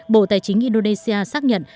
bộ tài chính indonesia xác nhận